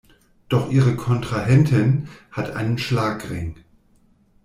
Doch ihre Kontrahentin hat einen Schlagring.